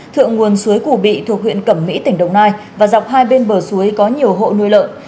thượng nguồn suối củ bị thuộc huyện cẩm mỹ tỉnh đồng nai và dọc hai bên bờ suối có nhiều hộ nuôi lợn